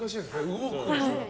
動く。